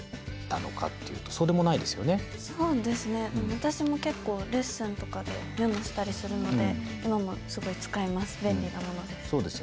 私も結構レッスンとかでメモしたりするので今もすごい使います。